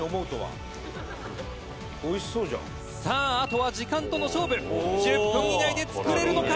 「さああとは時間との勝負」「１０分以内で作れるのか！？」